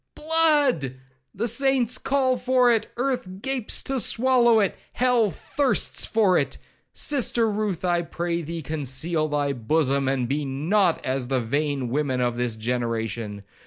blood! the saints call for it, earth gapes to swallow it, hell thirsts for it!—Sister Ruth, I pray thee, conceal thy bosom, and be not as the vain women of this generation.